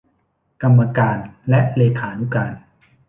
กรรมการและเลขานุการ